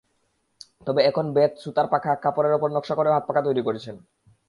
তবে এখন বেত, সুতার পাখা, কাপড়ের ওপর নকশা করেও হাতপাখা তৈরি করছেন।